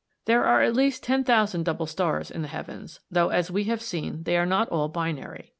There are at least 10,000 double stars in the heavens; though, as we have seen, they are not all binary.